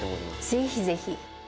ぜひぜひ。